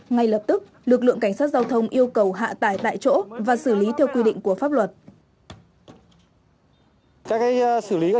ngay lập tức lực lượng cảnh sát giao thông yêu cầu hạ tải tại chỗ và xử lý theo quy định của pháp luật